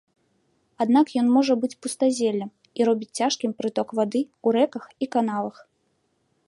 Аднак ён можа быць пустазеллем, і робіць цяжкім прыток вады ў рэках і канавах.